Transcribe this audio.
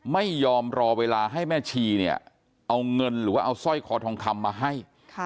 ไม่ยอมรอเวลาให้แม่ชีเนี่ยเอาเงินหรือว่าเอาสร้อยคอทองคำมาให้